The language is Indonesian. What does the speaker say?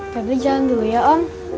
febri jalan dulu ya om